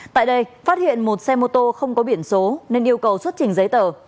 tại đây phát hiện một xe mô tô không có biển số nên yêu cầu xuất trình giấy tờ